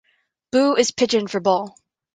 Bu is pidgin for "Bull".